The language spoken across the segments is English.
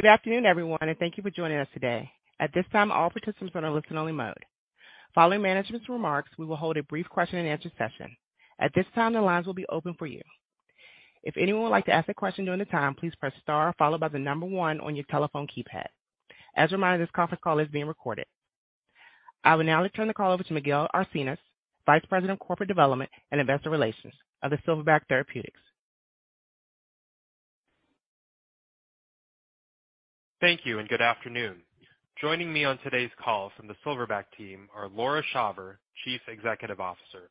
Good afternoon, everyone, and thank you for joining us today. At this time, all participants are in a listen-only mode. Following management's remarks, we will hold a brief question-and-answer session. At this time, the lines will be open for you. If anyone would like to ask a question during the time, please press star followed by the number one on your telephone keypad. As a reminder, this conference call is being recorded. I will now turn the call over to Miguel Arcinas, Vice President of Corporate Development and Investor Relations, Silverback Therapeutics. Thank you and good afternoon. Joining me on today's call from the Silverback team are Laura Shawver, Chief Executive Officer,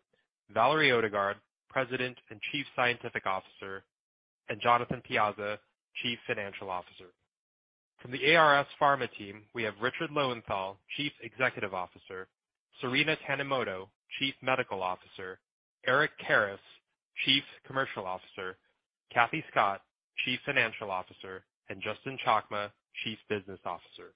Valerie Odegard, President and Chief Scientific Officer, and Jonathan Piazza, Chief Financial Officer. From the ARS Pharmaceutical team, we have Richard Lowenthal, Chief Executive Officer, Sarina Tanimoto, Chief Medical Officer, Eric Karas, Chief Commercial Officer, Kathleen Scott, Chief Financial Officer, and Justin Chakma, Chief Business Officer.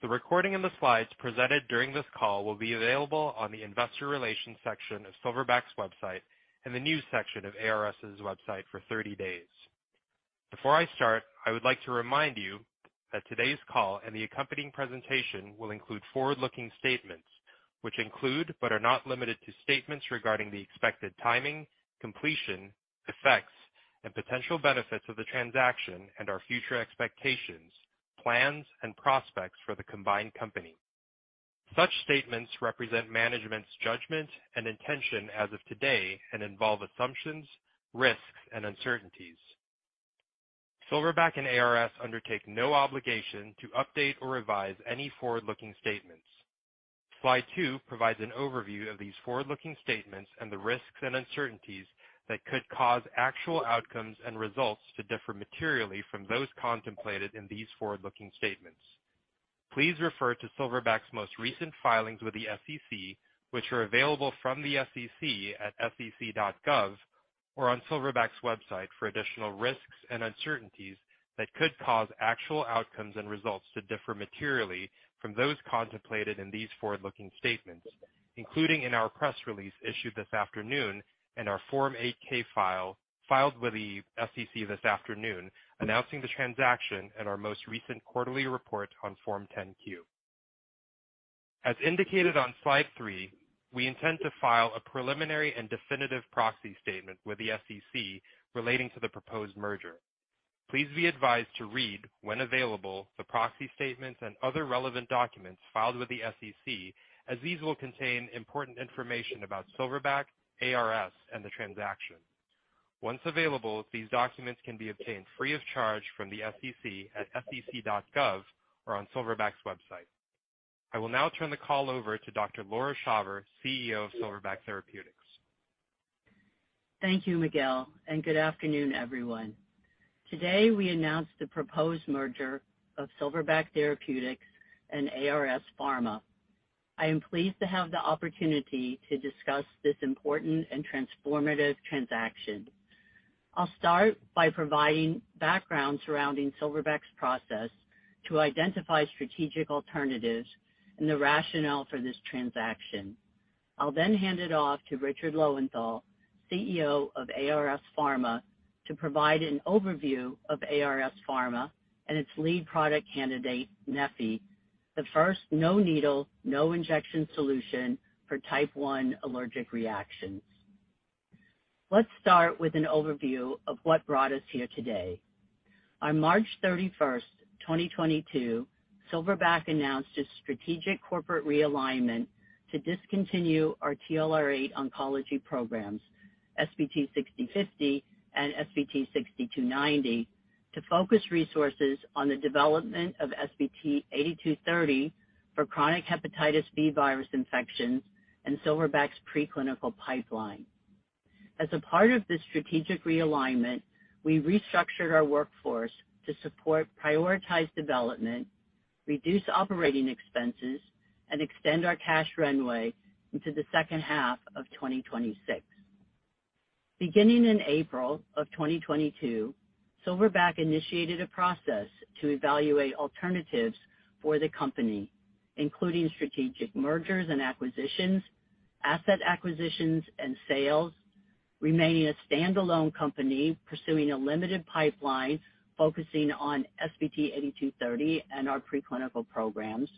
The recording and the slides presented during this call will be available on the investor relations section of Silverback's website and the news section of ARS' website for thirty days. Before I start, I would like to remind you that today's call and the accompanying presentation will include forward-looking statements which include, but are not limited to, statements regarding the expected timing, completion, effects, and potential benefits of the transaction and our future expectations, plans, and prospects for the combined company. Such statements represent management's judgment and intention as of today and involve assumptions, risks, and uncertainties. Silverback and ARS undertake no obligation to update or revise any forward-looking statements. Slide two provides an overview of these forward-looking statements and the risks and uncertainties that could cause actual outcomes and results to differ materially from those contemplated in these forward-looking statements. Please refer to Silverback's most recent filings with the SEC, which are available from the SEC at sec.gov or on Silverback's website, for additional risks and uncertainties that could cause actual outcomes and results to differ materially from those contemplated in these forward-looking statements, including in our press release issued this afternoon and our Form 8-K filed with the SEC this afternoon announcing the transaction and our most recent quarterly report on Form 10-Q. As indicated on slide 3, we intend to file a preliminary and definitive proxy statement with the SEC relating to the proposed merger. Please be advised to read, when available, the proxy statements and other relevant documents filed with the SEC, as these will contain important information about Silverback, ARS, and the transaction. Once available, these documents can be obtained free of charge from the SEC at sec.gov or on Silverback's website. I will now turn the call over to Dr. Laura Shawver, CEO of Silverback Therapeutics. Thank you, Miguel, and good afternoon, everyone. Today, we announced the proposed merger of Silverback Therapeutics and ARS Pharmaceuticals. I am pleased to have the opportunity to discuss this important and transformative transaction. I'll start by providing background surrounding Silverback's process to identify strategic alternatives and the rationale for this transaction. I'll then hand it off to Richard Lowenthal, CEO of ARS Pharmaceuticals, to provide an overview of ARS Pharmaceuticals and its lead product candidate, Neffy, the first no-needle, no-injection solution for Type I allergic reactions. Let's start with an overview of what brought us here today. On March 31, 2022, Silverback announced a strategic corporate realignment to discontinue our TLR8 oncology programs, SBT6050 and SBT6290, to focus resources on the development of SBT8230 for chronic hepatitis B virus infections and Silverback's preclinical pipeline. As a part of this strategic realignment, we restructured our workforce to support prioritized development, reduce operating expenses, and extend our cash runway into the second half of 2026. Beginning in April of 2022, Silverback initiated a process to evaluate alternatives for the company, including strategic mergers and acquisitions, asset acquisitions and sales, remaining a standalone company pursuing a limited pipeline focusing on SBT 8230 and our preclinical programs,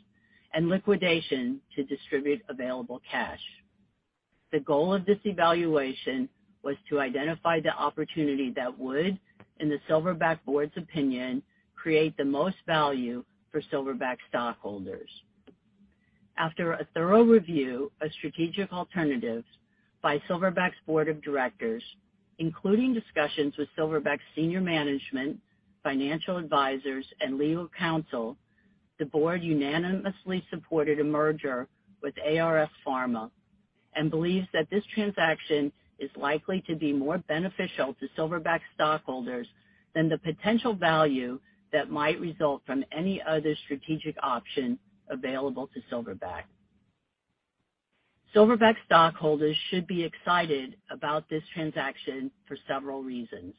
and liquidation to distribute available cash. The goal of this evaluation was to identify the opportunity that would, in the Silverback board's opinion, create the most value for Silverback stockholders. After a thorough review of strategic alternatives by Silverback's board of directors, including discussions with Silverback's senior management, financial advisors, and legal counsel, the board unanimously supported a merger with ARS Pharmaceuticals and believes that this transaction is likely to be more beneficial to Silverback stockholders than the potential value that might result from any other strategic option available to Silverback. Silverback stockholders should be excited about this transaction for several reasons.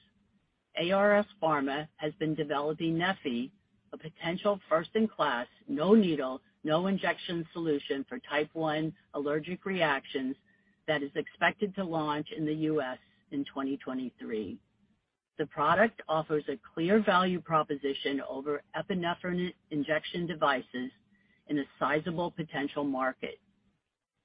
ARS Pharmaceuticals has been developing Neffy, a potential first-in-class, no needle, no injection solution for Type I allergic reactions that is expected to launch in the U.S. in 2023. The product offers a clear value proposition over epinephrine injection devices in a sizable potential market.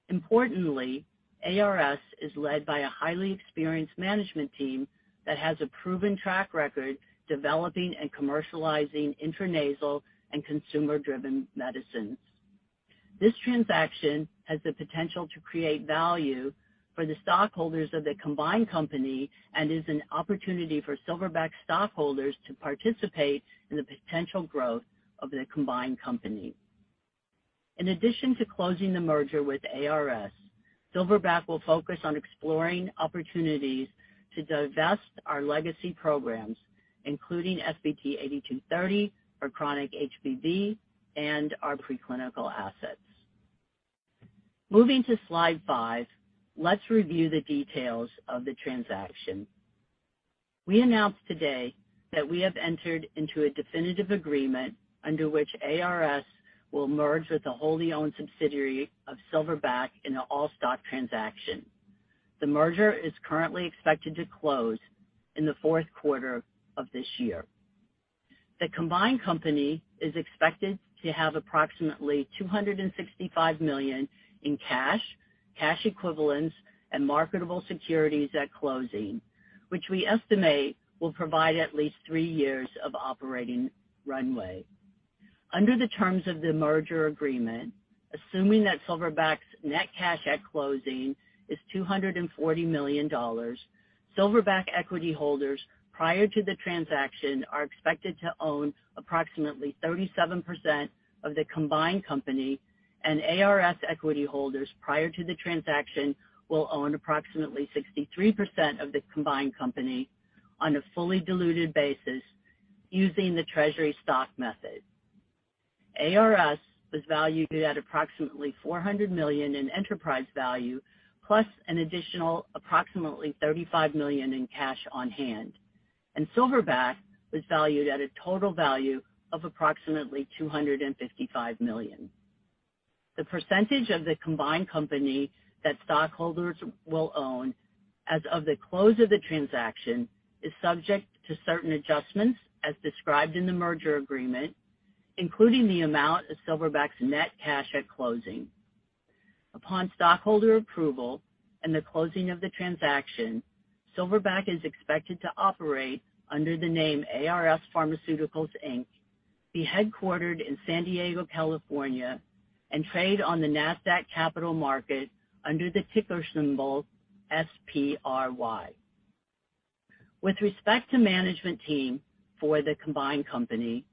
Importantly, ARS is led by a highly experienced management team that has a proven track record developing and commercializing intranasal and consumer-driven medicines. This transaction has the potential to create value for the stockholders of the combined company and is an opportunity for Silverback stockholders to participate in the potential growth of the combined company. In addition to closing the merger with ARS, Silverback will focus on exploring opportunities to divest our legacy programs, including SBT8230 for chronic HBV and our preclinical assets. Moving to slide five, let's review the details of the transaction. We announced today that we have entered into a definitive agreement under which ARS will merge with a wholly owned subsidiary of Silverback in an all stock transaction. The merger is currently expected to close in the fourth quarter of this year. The combined company is expected to have approximately $265 million in cash equivalents and marketable securities at closing, which we estimate will provide at least three years of operating runway. Under the terms of the merger agreement, assuming that Silverback's net cash at closing is $240 million, Silverback equity holders prior to the transaction are expected to own approximately 37% of the combined company and ARS equity holders prior to the transaction will own approximately 63% of the combined company on a fully diluted basis using the treasury stock method. ARS was valued at approximately $400 million in enterprise value, plus an additional approximately $35 million in cash on hand. Silverback was valued at a total value of approximately $255 million. The percentage of the combined company that stockholders will own as of the close of the transaction is subject to certain adjustments as described in the merger agreement, including the amount of Silverback's net cash at closing. Upon stockholder approval and the closing of the transaction, Silverback is expected to operate under the name ARS Pharmaceuticals, Inc., and be headquartered in San Diego, California, and trade on the Nasdaq Capital Market under the ticker symbol SPRY. With respect to management team for the combined company,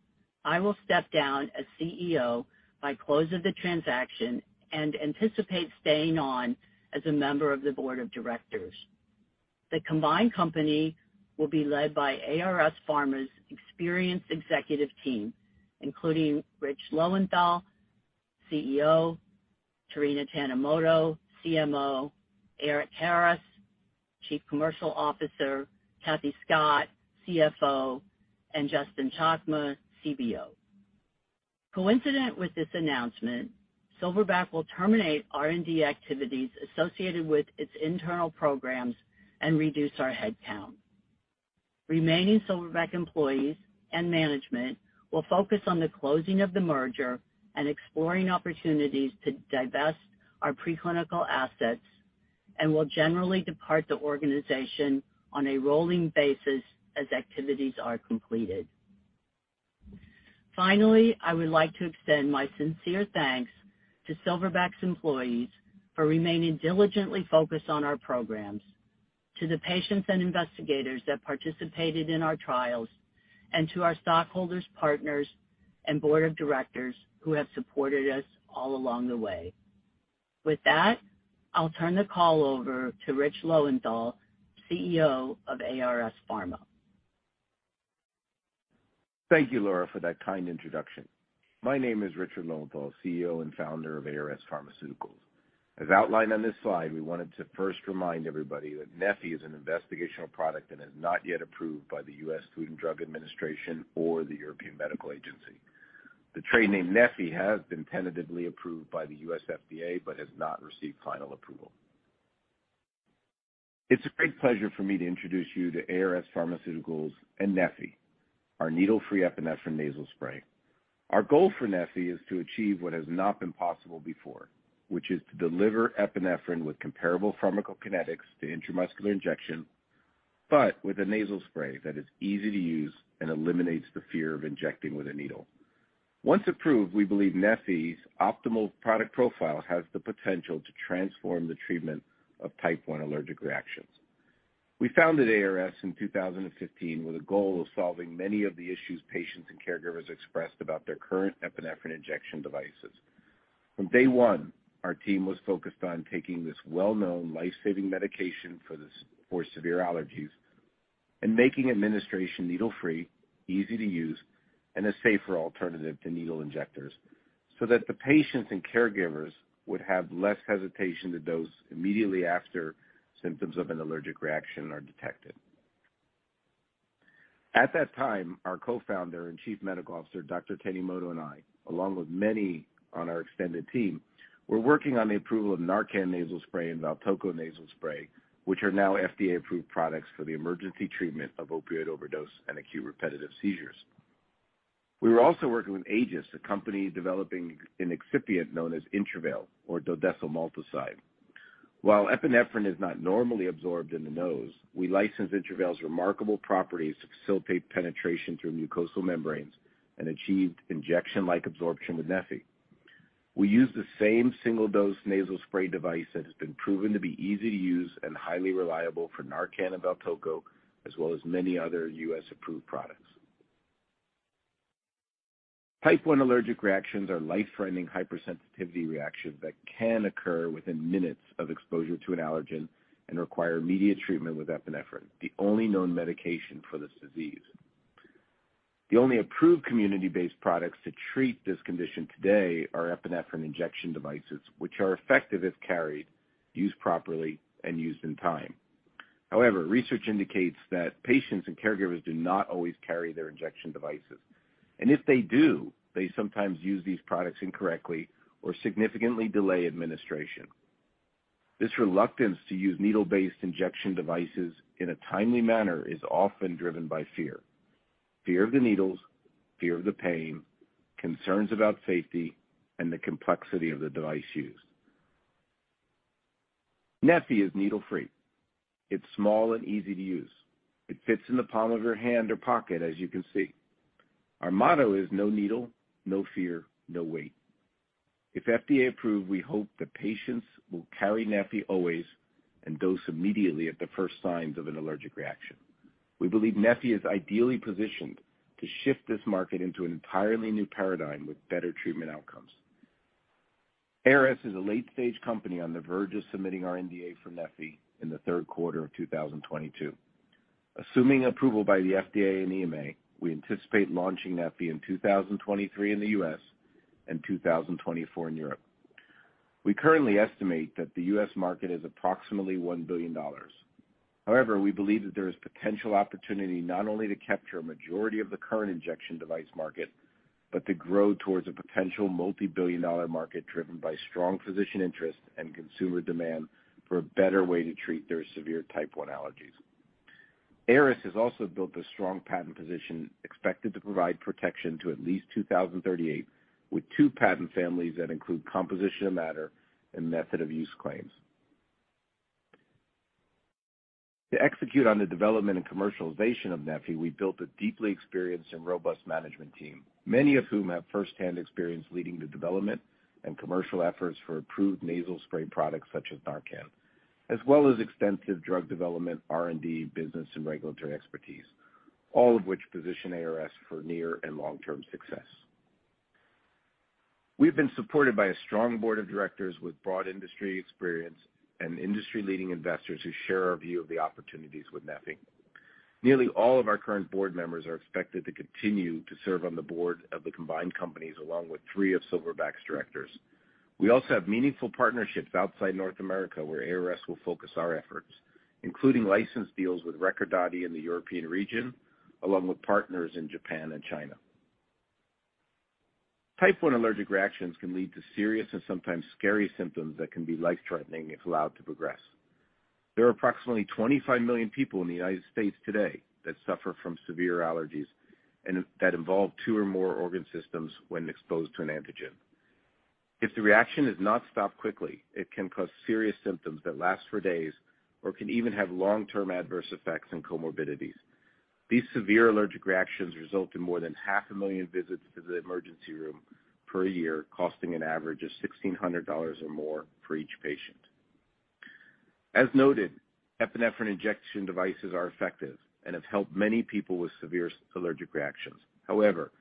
I will step down as CEO by close of the transaction and anticipate staying on as a member of the board of directors. The combined company will be led by ARS Pharmaceuticals' experienced executive team, including Richard Lowenthal, CEO, Sarina Tanimoto, CMO, Eric Karas, Chief Commercial Officer, Kathleen Scott, CFO, and Justin Chakma, CBO. Coincident with this announcement, Silverback will terminate R&D activities associated with its internal programs and reduce our headcount. Remaining Silverback employees and management will focus on the closing of the merger and exploring opportunities to divest our preclinical assets and will generally depart the organization on a rolling basis as activities are completed. Finally, I would like to extend my sincere thanks to Silverback's employees for remaining diligently focused on our programs, to the patients and investigators that participated in our trials, and to our stockholders, partners, and board of directors who have supported us all along the way. With that, I'll turn the call over to Richard Lowenthal, CEO of ARS Pharmaceuticals. Thank you, Laura, for that kind introduction. My name is Richard Lowenthal, CEO and founder of ARS Pharmaceuticals. As outlined on this slide, we wanted to first remind everybody that Neffy is an investigational product and is not yet approved by the US Food and Drug Administration or the European Medicines Agency. The trade name Neffy has been tentatively approved by the US FDA but has not received final approval. It's a great pleasure for me to introduce you to ARS Pharmaceuticals and Neffy, our needle free epinephrine nasal spray. Our goal for Neffy is to achieve what has not been possible before, which is to deliver epinephrine with comparable pharmacokinetics to intramuscular injection, but with a nasal spray that is easy to use and eliminates the fear of injecting with a needle. Once approved, we believe Neffy's optimal product profile has the potential to transform the treatment of Type I allergic reactions. We founded ARS in 2015 with a goal of solving many of the issues patients and caregivers expressed about their current epinephrine injection devices. From day one, our team was focused on taking this well known life saving medication for severe allergies and making administration needle free, easy to use and a safer alternative to needle injectors. that the patients and caregivers would have less hesitation to dose immediately after symptoms of an allergic reaction are detected. At that time, our co-founder and Chief Medical Officer, Dr. Tanimoto, and I, along with many on our extended team, were working on the approval of NARCAN nasal spray and VALTOCO nasal spray, which are now FDA-approved products for the emergency treatment of opioid overdose and acute repetitive seizures. We were also working with Aegis, a company developing an excipient known as Intravail or Dodecyl maltoside. While epinephrine is not normally absorbed in the nose, we licensed Intravail's remarkable properties to facilitate penetration through mucosal membranes and achieved injection-like absorption with Neffy. We use the same single-dose nasal spray device that has been proven to be easy to use and highly reliable for NARCAN and VALTOCO, as well as many other U.S. approved products. Type one allergic reactions are life-threatening hypersensitivity reactions that can occur within minutes of exposure to an allergen and require immediate treatment with epinephrine, the only known medication for this disease. The only approved community-based products to treat this condition today are epinephrine injection devices, which are effective if carried, used properly, and used in time. However, research indicates that patients and caregivers do not always carry their injection devices, and if they do, they sometimes use these products incorrectly or significantly delay administration. This reluctance to use needle-based injection devices in a timely manner is often driven by fear. Fear of the needles, fear of the pain, concerns about safety, and the complexity of the device used. Neffy is needle-free. It's small and easy to use. It fits in the palm of your hand or pocket, as you can see. Our motto is, "No needle, no fear, no wait." If FDA approved, we hope that patients will carry Neffy always and dose immediately at the first signs of an allergic reaction. We believe Neffy is ideally positioned to shift this market into an entirely new paradigm with better treatment outcomes. ARS is a late-stage company on the verge of submitting our NDA for Neffy in the third quarter of 2022. Assuming approval by the FDA and EMA, we anticipate launching Neffy in 2023 in the U.S. and 2024 in Europe. We currently estimate that the U.S. market is approximately $1 billion. However, we believe that there is potential opportunity not only to capture a majority of the current injection device market, but to grow towards a potential multi-billion-dollar market driven by strong physician interest and consumer demand for a better way to treat their severe Type I allergies. ARS has also built a strong patent position expected to provide protection to at least 2038 with two patent families that include composition of matter and method of use claims. To execute on the development and commercialization of Neffy, we built a deeply experienced and robust management team, many of whom have firsthand experience leading the development and commercial efforts for approved nasal spray products such as Narcan, as well as extensive drug development, R&D, business, and regulatory expertise, all of which position ARS for near and long-term success. We've been supported by a strong board of directors with broad industry experience and industry-leading investors who share our view of the opportunities with Neffy. Nearly all of our current board members are expected to continue to serve on the board of the combined companies, along with three of Silverback's directors. We also have meaningful partnerships outside North America, where ARS will focus our efforts, including license deals with Recordati in the European region, along with partners in Japan and China. Type one allergic reactions can lead to serious and sometimes scary symptoms that can be life-threatening if allowed to progress. There are approximately 25 million people in the United States today that suffer from severe allergies and that involve two or more organ systems when exposed to an antigen. If the reaction is not stopped quickly, it can cause serious symptoms that last for days or can even have long-term adverse effects and comorbidities. These severe allergic reactions result in more than 500,000 visits to the emergency room per year, costing an average of $1,600 or more for each patient. As noted, epinephrine injection devices are effective and have helped many people with severe allergic reactions. However,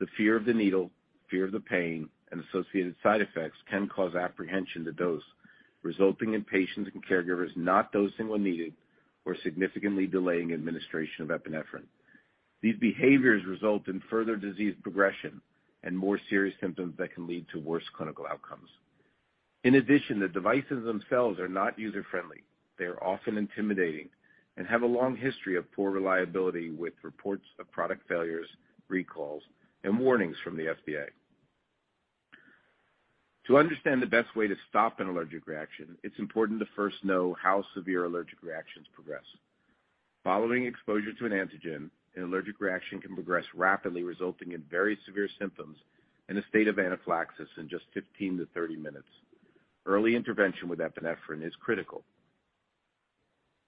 the fear of the needle, fear of the pain, and associated side effects can cause apprehension to dose, resulting in patients and caregivers not dosing when needed or significantly delaying administration of epinephrine. These behaviors result in further disease progression and more serious symptoms that can lead to worse clinical outcomes. In addition, the devices themselves are not user-friendly. They are often intimidating and have a long history of poor reliability, with reports of product failures, recalls, and warnings from the FDA. To understand the best way to stop an allergic reaction, it's important to first know how severe allergic reactions progress. Following exposure to an antigen, an allergic reaction can progress rapidly, resulting in very severe symptoms and a state of anaphylaxis in just 15-30 minutes. Early intervention with epinephrine is critical.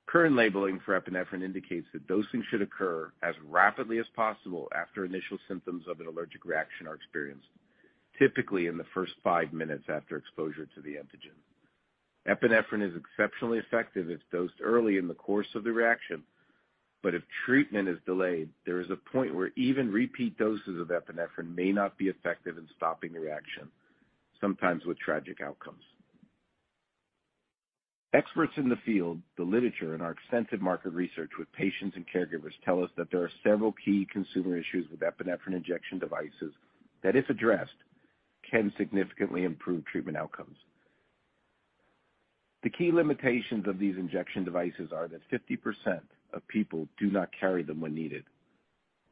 Current labeling for epinephrine indicates that dosing should occur as rapidly as possible after initial symptoms of an allergic reaction are experienced, typically in the first five minutes after exposure to the antigen. Epinephrine is exceptionally effective if dosed early in the course of the reaction. If treatment is delayed, there is a point where even repeat doses of epinephrine may not be effective in stopping the reaction, sometimes with tragic outcomes. Experts in the field, the literature and our extensive market research with patients and caregivers tell us that there are several key consumer issues with epinephrine injection devices that, if addressed, can significantly improve treatment outcomes. The key limitations of these injection devices are that 50% of people do not carry them when needed.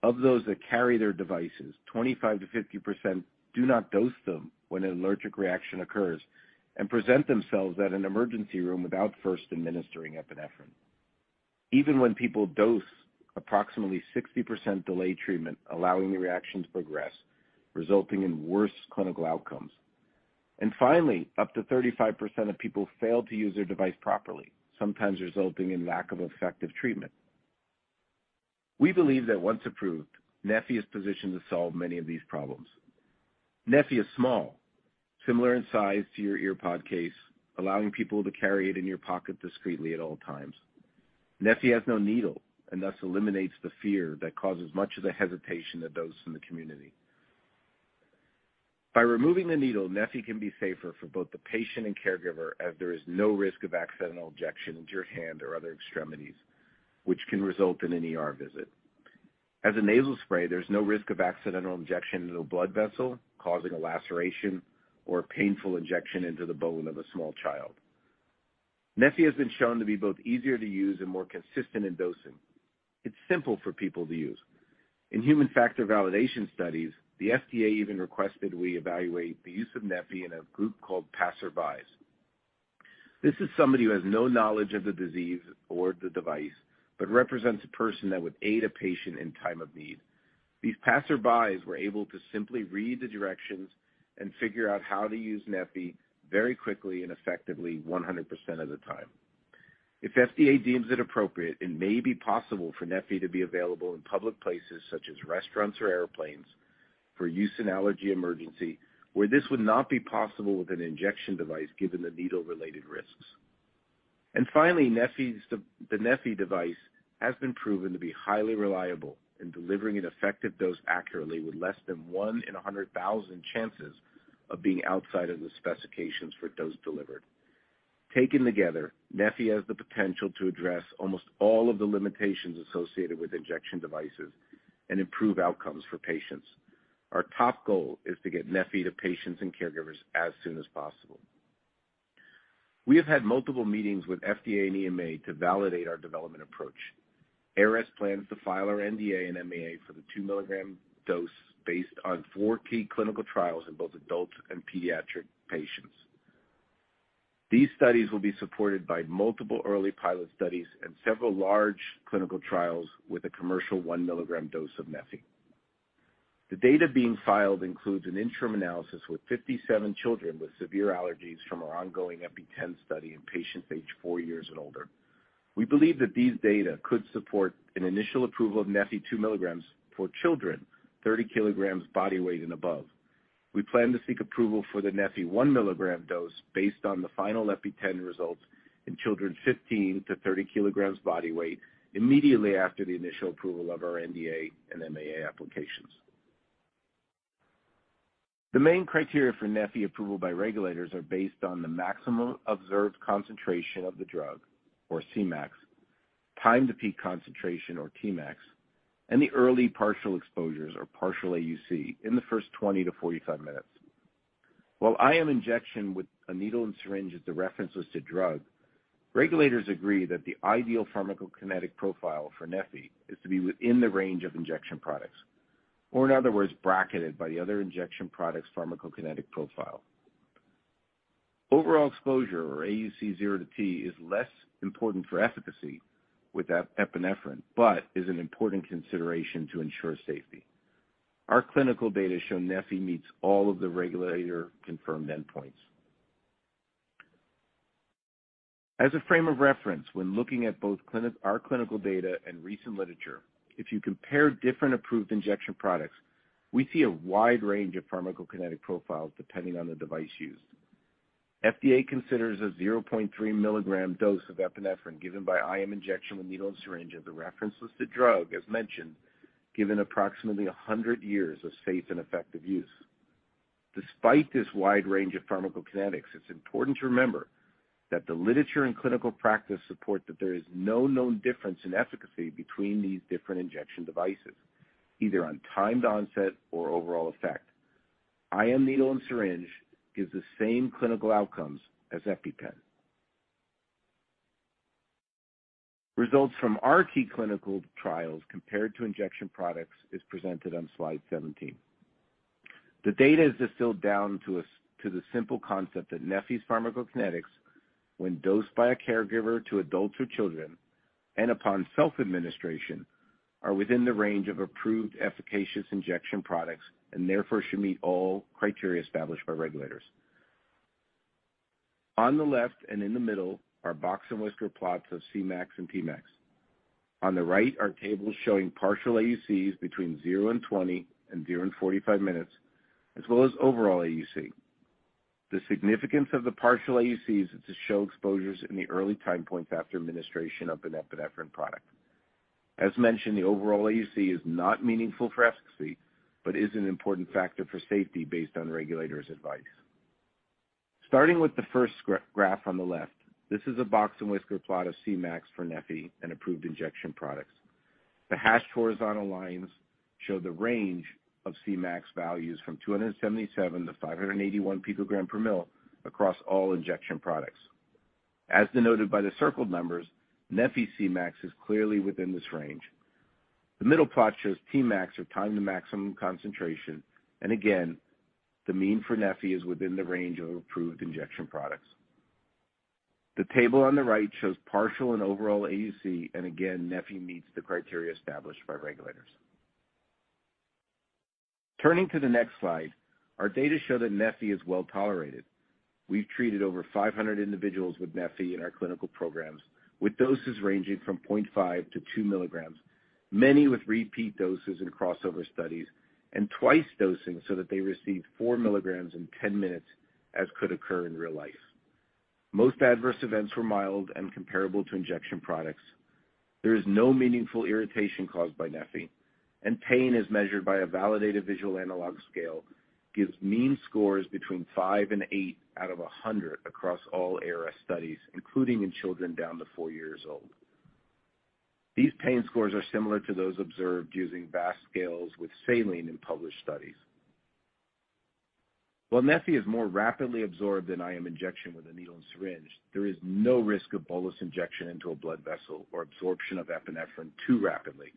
Of those that carry their devices, 25%-50% do not dose them when an allergic reaction occurs and present themselves at an emergency room without first administering epinephrine. Even when people dose, approximately 60% delay treatment, allowing the reaction to progress, resulting in worse clinical outcomes. Finally, up to 35% of people fail to use their device properly, sometimes resulting in lack of effective treatment. We believe that once approved, Neffy is positioned to solve many of these problems. Neffy is small, similar in size to your AirPod case, allowing people to carry it in your pocket discreetly at all times. Neffy has no needle and thus eliminates the fear that causes much of the hesitation that those in the community. By removing the needle, Neffy can be safer for both the patient and caregiver as there is no risk of accidental injection into your hand or other extremities which can result in an ER visit. As a nasal spray, there's no risk of accidental injection into a blood vessel causing a laceration or painful injection into the bone of a small child. Neffy has been shown to be both easier to use and more consistent in dosing. It's simple for people to use. In human factor validation studies, the FDA even requested we evaluate the use of Neffy in a group called Passersby. This is somebody who has no knowledge of the disease or the device, but represents a person that would aid a patient in time of need. These passersby were able to simply read the directions and figure out how to use Neffy very quickly and effectively 100% of the time. If FDA deems it appropriate, it may be possible for Neffy to be available in public places such as restaurants or airplanes for use in allergy emergency, where this would not be possible with an injection device, given the needle-related risks. Finally, the Neffy device has been proven to be highly reliable in delivering an effective dose accurately with less than one in 100,000 chances of being outside of the specifications for dose delivered. Taken together, Neffy has the potential to address almost all of the limitations associated with injection devices and improve outcomes for patients. Our top goal is to get Neffy to patients and caregivers as soon as possible. We have had multiple meetings with FDA and EMA to validate our development approach. ARS plans to file our NDA and MAA for the 2 mg dose based on four key clinical trials in both adults and pediatric patients. These studies will be supported by multiple early pilot studies and several large clinical trials with a commercial 1 mg dose of Neffy. The data being filed includes an interim analysis with 57 children with severe allergies from our ongoing EPITAN study in patients aged four years and older. We believe that these data could support an initial approval of Neffy 2 mgs for children 30 kilograms body weight and above. We plan to seek approval for the Neffy 1 mg dose based on the final EPITAN results in children 15 to 30 kilograms body weight immediately after the initial approval of our NDA and MAA applications. The main criteria for Neffy approval by regulators are based on the maximum observed concentration of the drug or Cmax, time to peak concentration or Tmax, and the early partial exposures or partial AUC in the first 20-45 minutes. While IM injection with a needle and syringe is the reference listed drug, regulators agree that the ideal pharmacokinetic profile for Neffy is to be within the range of injection products, or in other words, bracketed by the other injection products pharmacokinetic profile. Overall exposure or AUC zero to T is less important for efficacy with epinephrine, but is an important consideration to ensure safety. Our clinical data show Neffy meets all of the regulator confirmed endpoints. As a frame of reference when looking at both our clinical data and recent literature. If you compare different approved injection products, we see a wide range of pharmacokinetic profiles depending on the device used. FDA considers a 0.3 mg dose of epinephrine given by IM injection with needle and syringe of the reference listed drug, as mentioned, given approximately 100 years of safe and effective use. Despite this wide range of pharmacokinetics, it's important to remember that the literature and clinical practice support that there is no known difference in efficacy between these different injection devices, either on timed onset or overall effect. IM needle and syringe gives the same clinical outcomes as EpiPen. Results from our key clinical trials compared to injection products is presented on slide 17. The data is distilled down to the simple concept that Neffy's pharmacokinetics when dosed by a caregiver to adults or children and upon self-administration, are within the range of approved efficacious injection products and therefore should meet all criteria established by regulators. On the left and in the middle are box and whisker plots of Cmax and Tmax. On the right are tables showing partial AUCs between zero and 20 and zero and 45 minutes, as well as overall AUC. The significance of the partial AUCs is to show exposures in the early time points after administration of an epinephrine product. As mentioned, the overall AUC is not meaningful for efficacy, but is an important factor for safety based on regulators' advice. Starting with the first chart on the left, this is a box and whisker plot of Cmax for Neffy and approved injection products. The hashed horizontal lines show the range of Cmax values from 277-581 pg/mL across all injection products. As denoted by the circled numbers, Neffy Cmax is clearly within this range. The middle plot shows Tmax, or time to maximum concentration, and again, the mean for Neffy is within the range of approved injection products. The table on the right shows partial and overall AUC, and again, Neffy meets the criteria established by regulators. Turning to the next slide, our data show that Neffy is well-tolerated. We've treated over 500 individuals with Neffy in our clinical programs with doses ranging from 0.5-2 mg, many with repeat doses in crossover studies and twice dosing so that they received 4 mg in 10 minutes, as could occur in real life. Most adverse events were mild and comparable to injection products. There is no meaningful irritation caused by Neffy, and pain is measured by a validated visual analog scale, gives mean scores between five and eight out of 100 across all ARS studies, including in children down to four years old. These pain scores are similar to those observed using VAS scales with saline in published studies. While Neffy is more rapidly absorbed than IM injection with a needle and syringe, there is no risk of bolus injection into a blood vessel or absorption of epinephrine too rapidly.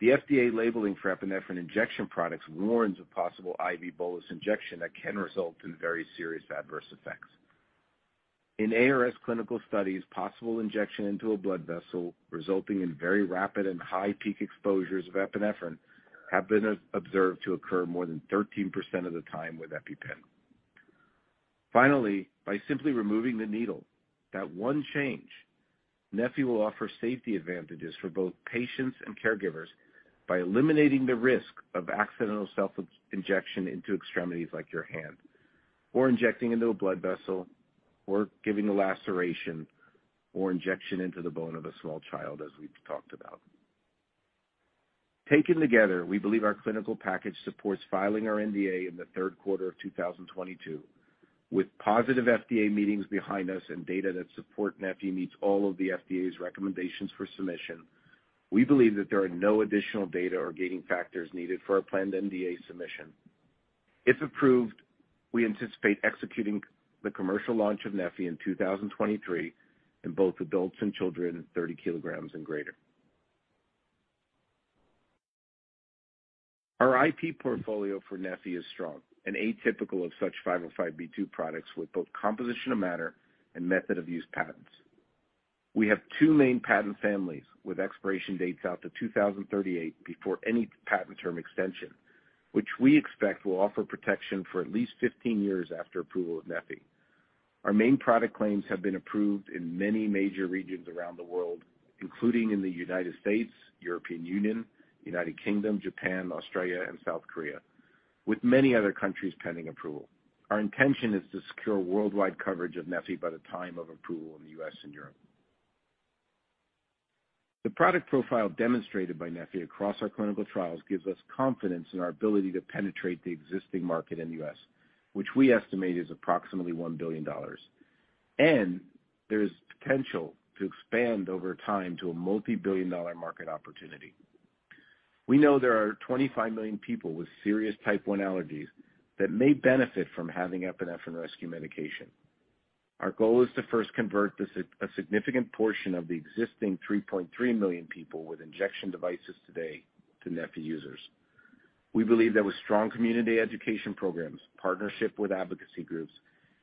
The FDA labeling for epinephrine injection products warns of possible IV bolus injection that can result in very serious adverse effects. In ARS clinical studies, possible injection into a blood vessel resulting in very rapid and high peak exposures of epinephrine have been observed to occur more than 13% of the time with EpiPen. Finally, by simply removing the needle, that one change, Neffy will offer safety advantages for both patients and caregivers by eliminating the risk of accidental self injection into extremities like your hand, or injecting into a blood vessel, or giving a laceration, or injection into the bone of a small child, as we've talked about. Taken together, we believe our clinical package supports filing our NDA in the third quarter of 2022. With positive FDA meetings behind us and data that support Neffy meets all of the FDA's recommendations for submission, we believe that there are no additional data or gating factors needed for our planned NDA submission. If approved, we anticipate executing the commercial launch of Neffy in 2023 in both adults and children 30 kilograms and greater. Our IP portfolio for Neffy is strong and atypical of such 505(b)(2) products with both composition of matter and method of use patents. We have 2 main patent families with expiration dates out to 2038 before any patent term extension, which we expect will offer protection for at least 15 years after approval of Neffy. Our main product claims have been approved in many major regions around the world, including in the United States, European Union, United Kingdom, Japan, Australia, and South Korea, with many other countries pending approval. Our intention is to secure worldwide coverage of Neffy by the time of approval in the US and Europe. The product profile demonstrated by Neffy across our clinical trials gives us confidence in our ability to penetrate the existing market in the U.S., which we estimate is approximately $1 billion. There is potential to expand over time to a multi-billion dollar market opportunity. We know there are 25 million people with serious type one allergies that may benefit from having epinephrine rescue medication. Our goal is to first convert a significant portion of the existing 3.3 million people with injection devices today to Neffy users. We believe that with strong community education programs, partnership with advocacy groups,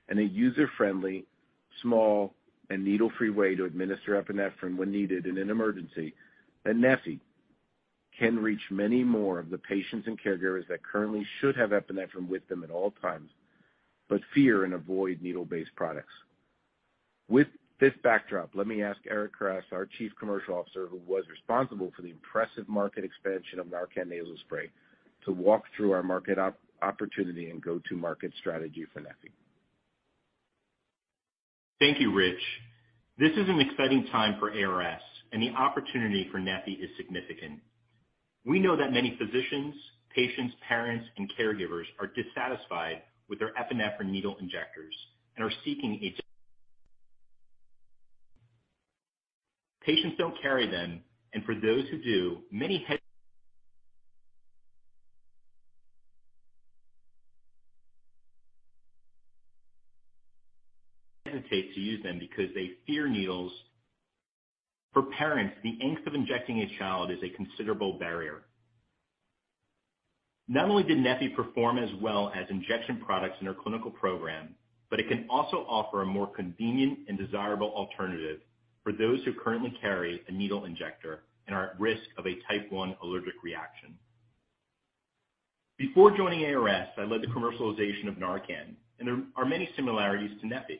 and a user-friendly, small, and needle-free way to administer epinephrine when needed in an emergency, that Neffy can reach many more of the patients and caregivers that currently should have epinephrine with them at all times, but fear and avoid needle-based products. With this backdrop, let me ask Eric Karas, our Chief Commercial Officer, who was responsible for the impressive market expansion of NARCAN nasal spray, to walk through our market opportunity and go-to-market strategy for Neffy. Thank you, Richard. This is an exciting time for ARS, and the opportunity for Neffy is significant. We know that many physicians, patients, parents, and caregivers are dissatisfied with their epinephrine needle injectors and are seeking. Patients don't carry them, and for those who do, many hesitate to use them because they fear needles. For parents, the angst of injecting a child is a considerable barrier. Not only did Neffy perform as well as injection products in our clinical program, but it can also offer a more convenient and desirable alternative for those who currently carry a needle injector and are at risk of a type one allergic reaction. Before joining ARS, I led the commercialization of NARCAN, and there are many similarities to Neffy.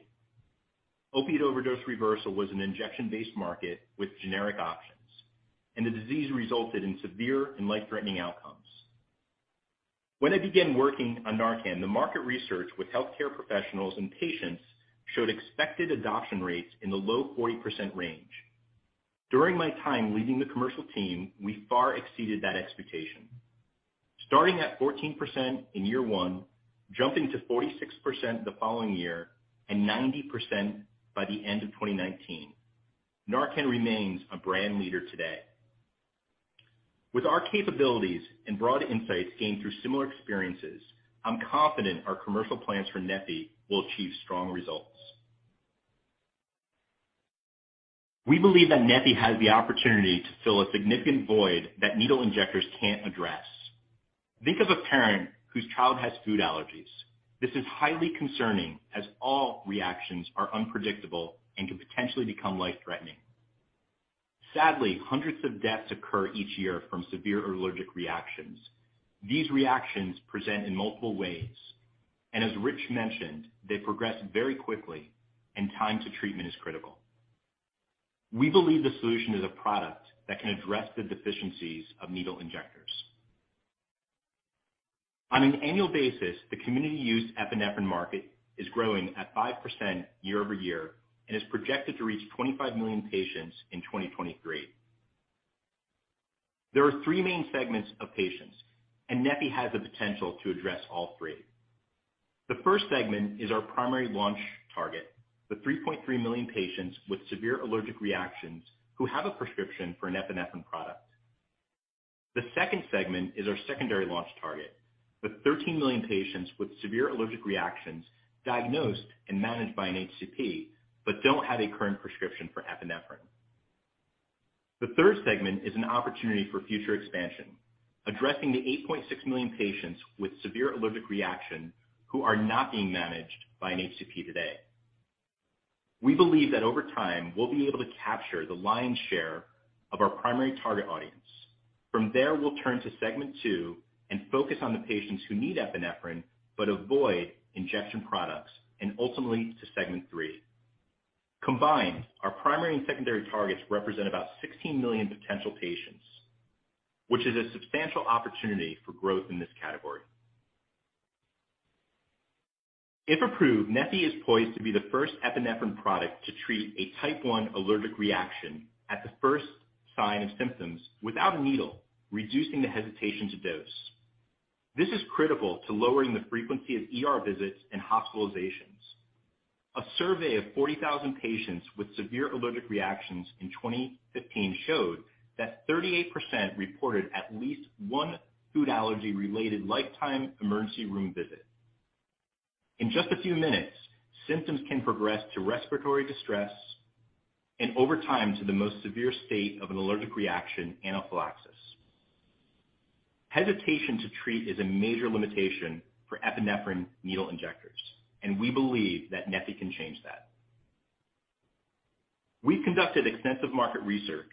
Opiate overdose reversal was an injection-based market with generic options, and the disease resulted in severe and life-threatening outcomes. When I began working on NARCAN, the market research with healthcare professionals and patients showed expected adoption rates in the low 40% range. During my time leading the commercial team, we far exceeded that expectation. Starting at 14% in year one, jumping to 46% the following year, and 90% by the end of 2019. NARCAN remains a brand leader today. With our capabilities and broad insights gained through similar experiences, I'm confident our commercial plans for Neffy will achieve strong results. We believe that Neffy has the opportunity to fill a significant void that needle injectors can't address. Think of a parent whose child has food allergies. This is highly concerning, as all reactions are unpredictable and can potentially become life-threatening. Sadly, hundreds of deaths occur each year from severe allergic reactions. These reactions present in multiple ways, and as Richard mentioned, they progress very quickly and time to treatment is critical. We believe the solution is a product that can address the deficiencies of needle injectors. On an annual basis, the community-used epinephrine market is growing at 5% year-over-year and is projected to reach 25 million patients in 2023. There are three main segments of patients, and Neffy has the potential to address all three. The first segment is our primary launch target, the 3.3 million patients with severe allergic reactions who have a prescription for an epinephrine product. The second segment is our secondary launch target, the 13 million patients with severe allergic reactions diagnosed and managed by an HCP, but don't have a current prescription for epinephrine. The third segment is an opportunity for future expansion, addressing the 8.6 million patients with severe allergic reaction who are not being managed by an HCP today. We believe that over time, we'll be able to capture the lion's share of our primary target audience. From there, we'll turn to segment two and focus on the patients who need epinephrine but avoid injection products, and ultimately to segment three. Combined, our primary and secondary targets represent about 16 million potential patients, which is a substantial opportunity for growth in this category. If approved, Neffy is poised to be the first epinephrine product to treat a type one allergic reaction at the first sign of symptoms without a needle, reducing the hesitation to dose. This is critical to lowering the frequency of ER visits and hospitalizations. A survey of 40,000 patients with severe allergic reactions in 2015 showed that 38% reported at least one food allergy-related lifetime emergency room visit. In just a few minutes, symptoms can progress to respiratory distress and over time to the most severe state of an allergic reaction, anaphylaxis. Hesitation to treat is a major limitation for epinephrine needle injectors, and we believe that Neffy can change that. We've conducted extensive market research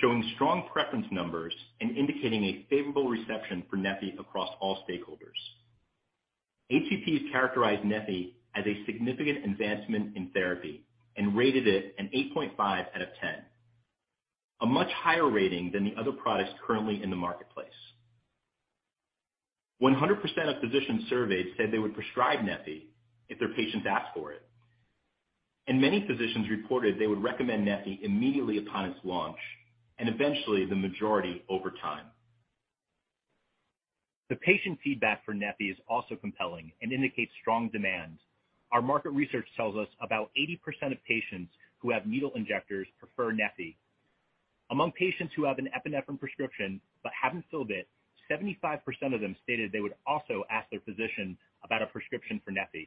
showing strong preference numbers and indicating a favorable reception for Neffy across all stakeholders. HCPs characterize Neffy as a significant advancement in therapy and rated it an 8.5 out of 10, a much higher rating than the other products currently in the marketplace. 100% of physicians surveyed said they would prescribe Neffy if their patients asked for it, and many physicians reported they would recommend Neffy immediately upon its launch, and eventually the majority over time. The patient feedback for Neffy is also compelling and indicates strong demand. Our market research tells us about 80% of patients who have needle injectors prefer Neffy. Among patients who have an epinephrine prescription but haven't filled it, 75% of them stated they would also ask their physician about a prescription for Neffy.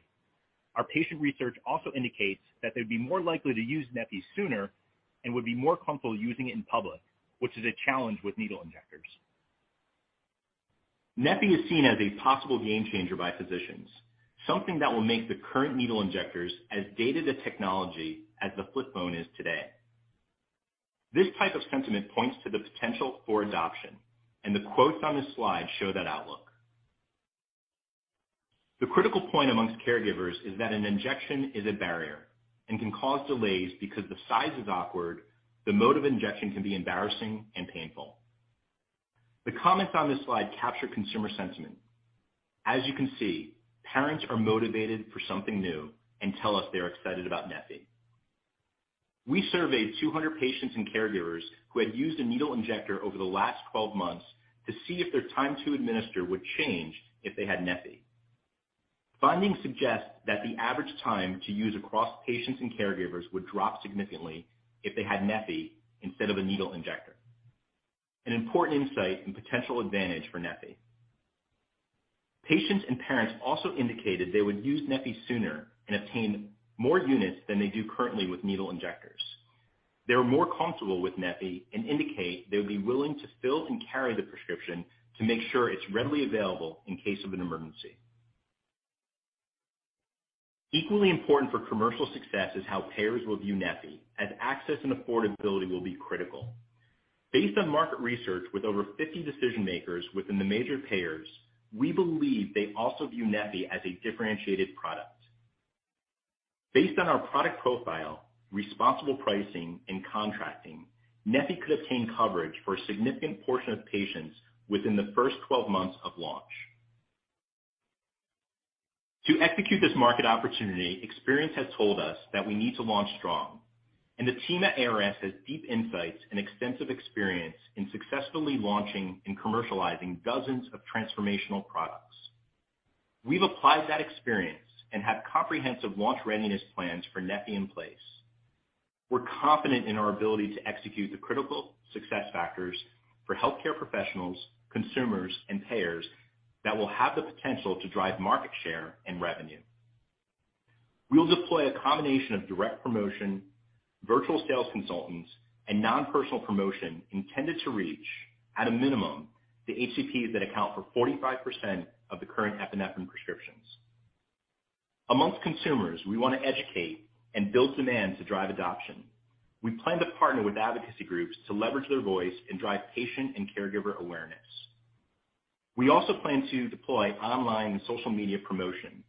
Our patient research also indicates that they'd be more likely to use Neffy sooner and would be more comfortable using it in public, which is a challenge with needle injectors. Neffy is seen as a possible game changer by physicians, something that will make the current needle injectors as dated a technology as the flip phone is today. This type of sentiment points to the potential for adoption, and the quotes on this slide show that outlook. The critical point among caregivers is that an injection is a barrier and can cause delays because the size is awkward, the mode of injection can be embarrassing and painful. The comments on this slide capture consumer sentiment. As you can see, parents are motivated for something new and tell us they are excited about Neffy. We surveyed 200 patients and caregivers who had used a needle injector over the last 12 months to see if their time to administer would change if they had Neffy. Findings suggest that the average time to use across patients and caregivers would drop significantly if they had Neffy instead of a needle injector, an important insight and potential advantage for Neffy. Patients and parents also indicated they would use Neffy sooner and obtain more units than they do currently with needle injectors. They were more comfortable with Neffy and indicate they would be willing to fill and carry the prescription to make sure it's readily available in case of an emergency. Equally important for commercial success is how payers will view Neffy, as access and affordability will be critical. Based on market research with over 50 decision makers within the major payers, we believe they also view Neffy as a differentiated product. Based on our product profile, responsible pricing and contracting, Neffy could obtain coverage for a significant portion of patients within the first 12 months of launch. To execute this market opportunity, experience has told us that we need to launch strong, and the team at ARS has deep insights and extensive experience in successfully launching and commercializing dozens of transformational products. We've applied that experience and have comprehensive launch readiness plans for Neffy in place. We're confident in our ability to execute the critical success factors for healthcare professionals, consumers, and payers that will have the potential to drive market share and revenue. We'll deploy a combination of direct promotion, virtual sales consultants, and non-personal promotion intended to reach, at a minimum, the HCPs that account for 45% of the current epinephrine prescriptions. Among consumers, we want to educate and build demand to drive adoption. We plan to partner with advocacy groups to leverage their voice and drive patient and caregiver awareness. We also plan to deploy online and social media promotion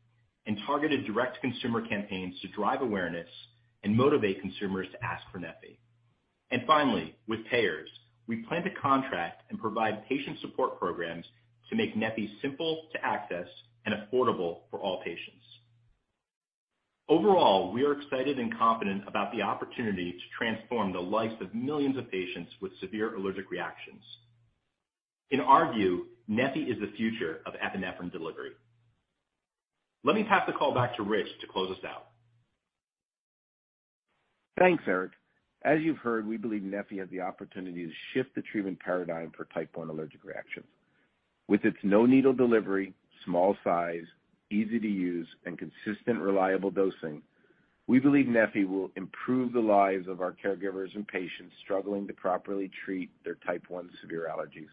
and targeted direct consumer campaigns to drive awareness and motivate consumers to ask for Neffy. Finally, with payers, we plan to contract and provide patient support programs to make Neffy simple to access and affordable for all patients. Overall, we are excited and confident about the opportunity to transform the lives of millions of patients with severe allergic reactions. In our view, Neffy is the future of epinephrine delivery. Let me pass the call back to Richard to close us out. Thanks, Eric. As you've heard, we believe Neffy has the opportunity to shift the treatment paradigm for type one allergic reactions. With its no-needle delivery, small size, easy to use, and consistent, reliable dosing, we believe Neffy will improve the lives of our caregivers and patients struggling to properly treat their type one severe allergies.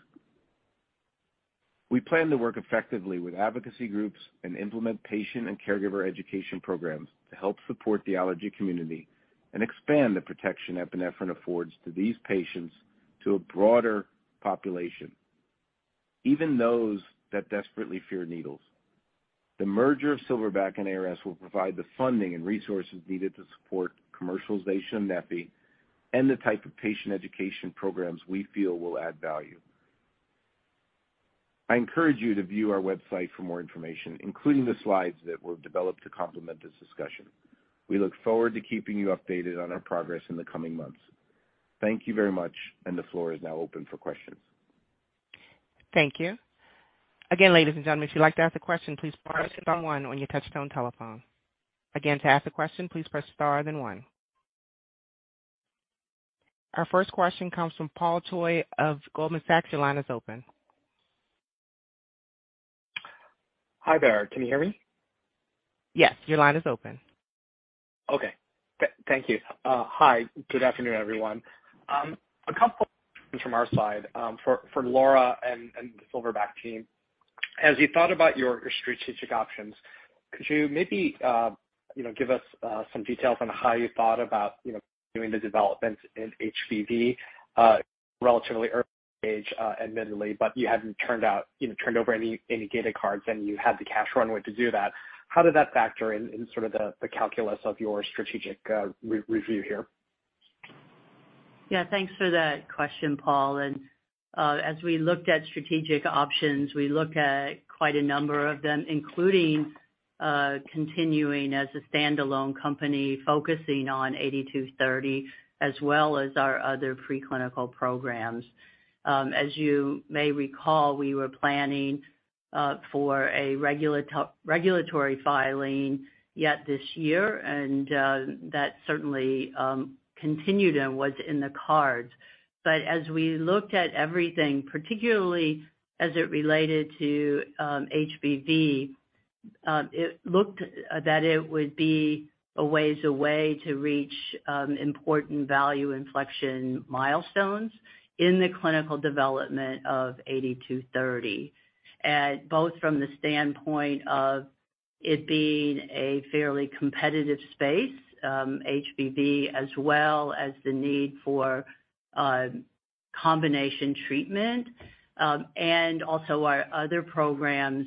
We plan to work effectively with advocacy groups and implement patient and caregiver education programs to help support the allergy community and expand the protection epinephrine affords to these patients to a broader population, even those that desperately fear needles. The merger of Silverback and ARS will provide the funding and resources needed to support commercialization of Neffy and the type of patient education programs we feel will add value. I encourage you to view our website for more information, including the slides that were developed to complement this discussion. We look forward to keeping you updated on our progress in the coming months. Thank you very much. The floor is now open for questions. Thank you. Again, ladies and gentlemen, if you'd like to ask a question, please press star one on your touchtone telephone. Again, to ask a question, please press star, then one. Our first question comes from Paul Choi of Goldman Sachs. Your line is open. Hi there. Can you hear me? Yes, your line is open. Okay. Thank you. Hi. Good afternoon, everyone. A couple questions from our side for Laura and the Silverback team. As you thought about your strategic options, could you maybe give us some details on how you thought about doing the development in HBV relatively early stage, admittedly, but you hadn't turned over any data cards, and you had the cash runway to do that. How did that factor in sort of the calculus of your strategic review here? Yeah, thanks for that question, Paul. As we looked at strategic options, we looked at quite a number of them, including continuing as a standalone company focusing on SBT8230, as well as our other preclinical programs. As you may recall, we were planning for a regulatory filing yet this year, and that certainly continued and was in the cards. As we looked at everything, particularly as it related to HBV, it looked that it would be a ways away to reach important value inflection milestones in the clinical development of SBT8230. Both from the standpoint of it being a fairly competitive space, HBV as well as the need for combination treatment. Our other programs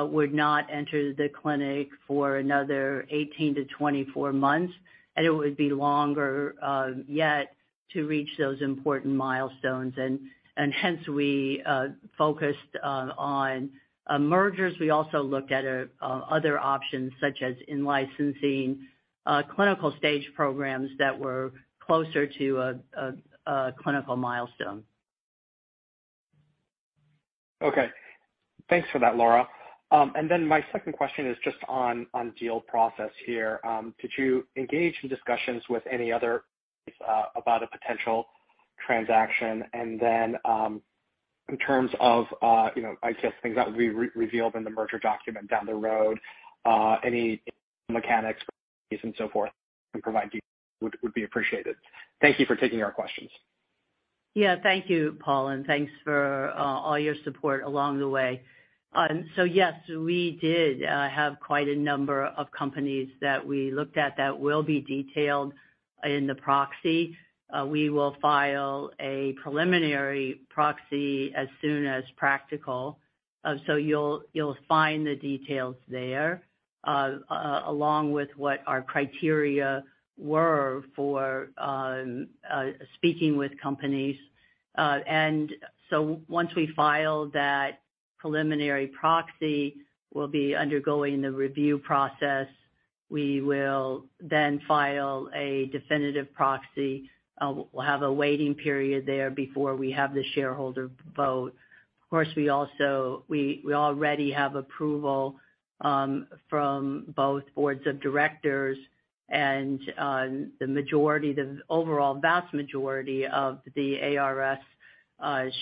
would not enter the clinic for another 18-24 months, and it would be longer yet to reach those important milestones. Hence we focused on mergers. We also looked at other options such as in-licensing clinical stage programs that were closer to a clinical milestone. Okay. Thanks for that, Laura. Then my second question is just on deal process here. Did you engage in discussions with any other about a potential transaction? Then, in terms of, you know, I guess things that would be revealed in the merger document down the road, any mechanics and so forth you can provide would be appreciated. Thank you for taking our questions. Yeah. Thank you, Paul, and thanks for all your support along the way. Yes, we did have quite a number of companies that we looked at that will be detailed in the proxy. We will file a preliminary proxy as soon as practical. You'll find the details there along with what our criteria were for speaking with companies. Once we file that preliminary proxy, we'll be undergoing the review process. We will then file a definitive proxy. We'll have a waiting period there before we have the shareholder vote. Of course, we already have approval from both boards of directors and the majority, the overall vast majority of the ARS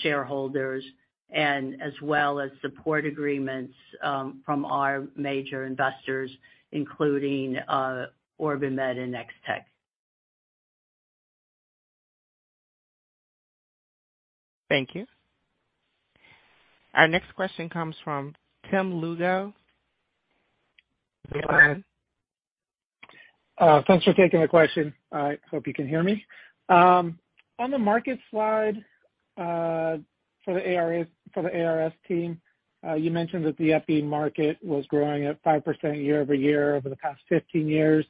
shareholders, and as well as support agreements from our major investors, including OrbiMed and Nextech. Thank you. Our next question comes from Tim Lugo, William Blair. Thanks for taking the question. I hope you can hear me. On the market slide, for the ARS team, you mentioned that the EPI market was growing at 5% year-over-year over the past 15 years.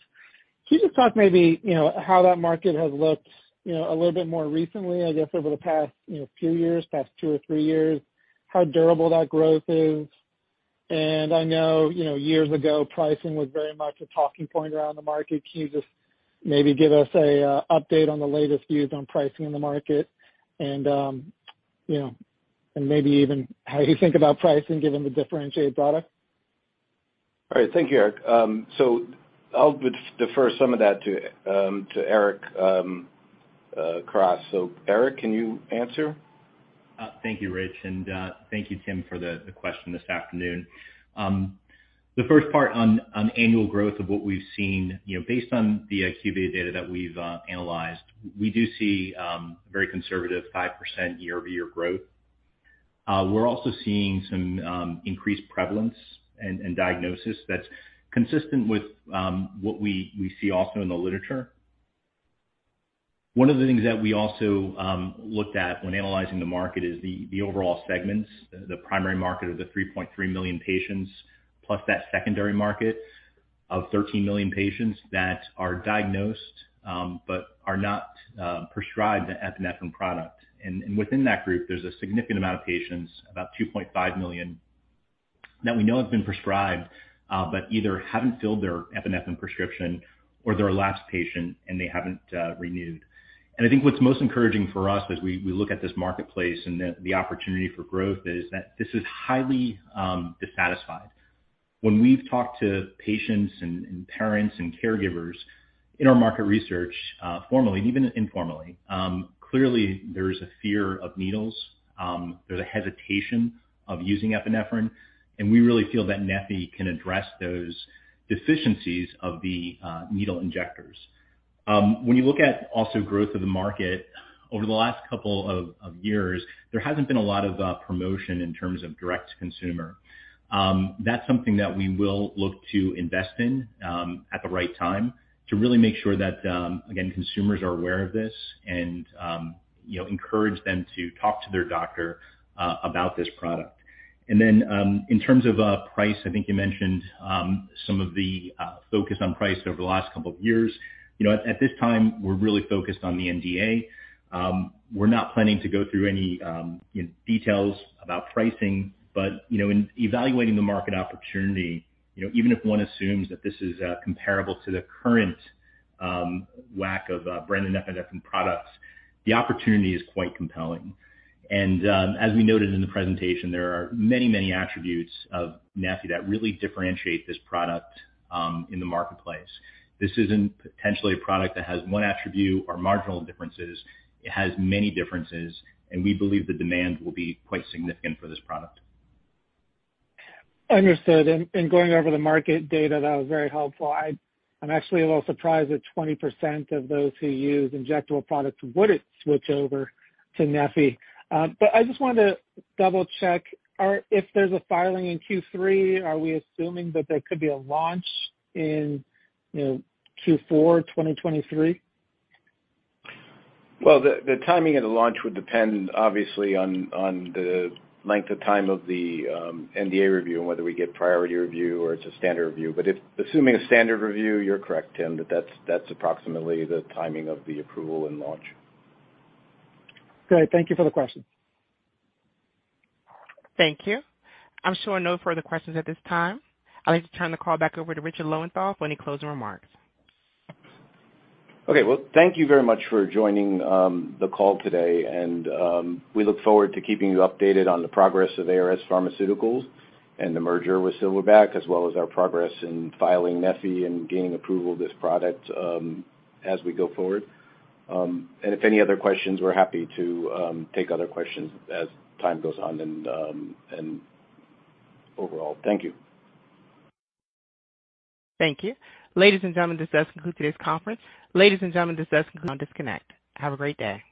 Can you just talk maybe, you know, how that market has looked, you know, a little bit more recently, I guess over the past, you know, few years, past two or three years? How durable that growth is. I know, you know, years ago, pricing was very much a talking point around the market. Can you just maybe give us a update on the latest views on pricing in the market? You know, and maybe even how you think about pricing given the differentiated product. All right. Thank you, Eric. I would defer some of that to Eric Karas. Eric, can you answer? Thank you, Richard. Thank you, Tim, for the question this afternoon. The first part on annual growth of what we've seen, you know, based on the IQVIA data that we've analyzed, we do see a very conservative 5% year-over-year growth. We're also seeing some increased prevalence and diagnosis that's consistent with what we see also in the literature. One of the things that we also looked at when analyzing the market is the overall segments. The primary market of the 3.3 million patients, plus that secondary market of 13 million patients that are diagnosed but are not prescribed the epinephrine product. Within that group, there's a significant amount of patients, about 2.5 million, that we know have been prescribed, but either haven't filled their epinephrine prescription or they're a lapsed patient and they haven't renewed. I think what's most encouraging for us as we look at this marketplace and the opportunity for growth is that this is highly dissatisfied. When we've talked to patients and parents and caregivers in our market research, formally, even informally, clearly there is a fear of needles. There's a hesitation of using epinephrine. We really feel that Neffy can address those deficiencies of the needle injectors. When you look at also growth of the market over the last couple of years, there hasn't been a lot of promotion in terms of direct to consumer. That's something that we will look to invest in at the right time to really make sure that, again, consumers are aware of this and, you know, encourage them to talk to their doctor about this product. In terms of price, I think you mentioned some of the focus on price over the last couple of years. You know, at this time, we're really focused on the NDA. We're not planning to go through any details about pricing. You know, in evaluating the market opportunity, you know, even if one assumes that this is comparable to the current lack of brand epinephrine products, the opportunity is quite compelling. As we noted in the presentation, there are many, many attributes of Neffy that really differentiate this product in the marketplace. This isn't potentially a product that has one attribute or marginal differences. It has many differences, and we believe the demand will be quite significant for this product. Understood. Going over the market data, that was very helpful. I'm actually a little surprised that 20% of those who use injectable products wouldn't switch over to Neffy. I just wanted to double-check. If there's a filing in Q3, are we assuming that there could be a launch in, you know, Q4 2023? Well, the timing of the launch would depend obviously on the length of time of the NDA review and whether we get priority review or it's a standard review. If assuming a standard review, you're correct, Tim, that that's approximately the timing of the approval and launch. Great. Thank you for the question. Thank you. I'm showing no further questions at this time. I'd like to turn the call back over to Richard Lowenthal for any closing remarks. Okay. Well, thank you very much for joining the call today, and we look forward to keeping you updated on the progress of ARS Pharmaceuticals and the merger with Silverback, as well as our progress in filing Neffy and gaining approval of this product, as we go forward. If any other questions, we're happy to take other questions as time goes on and overall. Thank you. Thank you. Ladies and gentlemen, this does conclude today's conference. Now disconnect. Have a great day.